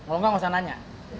kalau enggak gak usah nanya